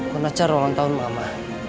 menacar ulang tahun mama